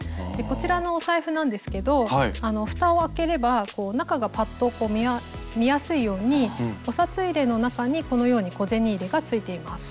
こちらのお財布なんですけどふたをあければこう中がパッと見やすいようにお札入れの中にこのように小銭入れが付いています。